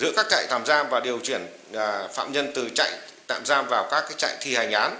giữa các trại tạm giam và điều chuyển phạm nhân từ chạy tạm giam vào các trại thi hành án